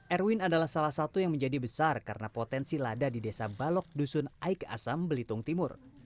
erwin adalah salah satu yang menjadi besar karena potensi lada di desa balok dusun aik asam belitung timur